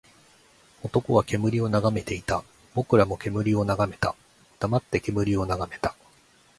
男は煙を眺めていた。僕らも煙を眺めた。黙って煙を眺めた。